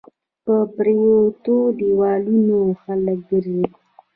په پريوتو ديوالونو خلک ګرځى